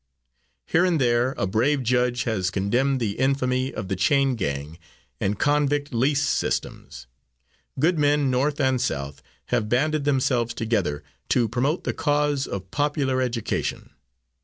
Here and there a brave judge has condemned the infamy of the chain gang and convict lease systems. Good men, North and South, have banded themselves together to promote the cause of popular education.